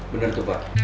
bener tuh pak